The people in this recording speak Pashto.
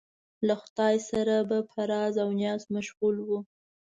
له خدایه سره به په راز و نیاز مشغول و.